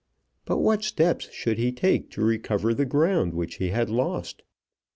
But what steps should he take to recover the ground which he had lost?